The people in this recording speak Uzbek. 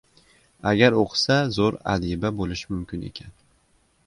— Agar o‘qisa, zo‘r adiba bo‘lishi mumkin ekan".